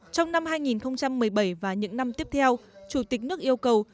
trong năm hai nghìn một mươi bảy và những năm tiếp theo chủ tịch nước yêu cầu